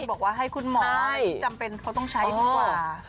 บอกว่าให้คุณหมอที่จำเป็นเขาต้องใช้ดีกว่า